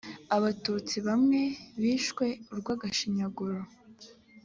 abatutsi bamwe bishwe urwgashinyaguro.